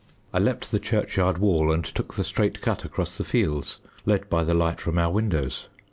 I leaped the churchyard wall and took the straight cut across the fields, led by the light from our windows.